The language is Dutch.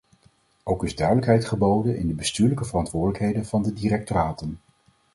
Ook is duidelijkheid geboden in de bestuurlijke verantwoordelijkheden van de directoraten.